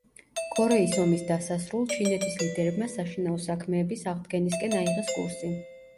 კორეის ომის დასასრულ ჩინეთის ლიდერებმა საშინაო საქმეების აღდგენისკენ აიღეს კურსი.